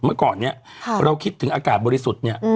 เมื่อก่อนเราคิดถึงอากาศบริสุทธิ์